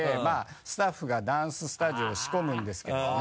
スタッフがダンススタジオを仕込むんですけどね。